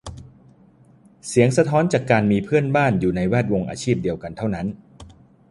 ห้องเสียงสะท้อนจากการมีเพื่อนบ้านอยู่ในแวดวงอาชีพเดียวกันเท่านั้น